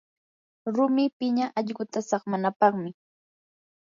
rumi piña allquta saqmanapaqmi.